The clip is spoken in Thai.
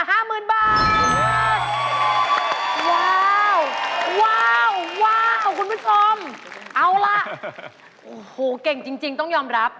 ว้าวว้าวคุณผู้ชมเอาล่ะโอ้โหเก่งจริงต้องยอมรับ